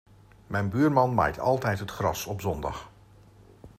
Mijn buurman maait altijd het gras op zondag.